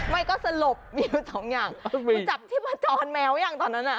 ไม่ก็สลบมีสองอย่างมันจับที่ประจอนแมวอย่างตอนนั้น